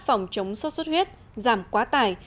phòng chống sốt xuất huyết giảm quá tải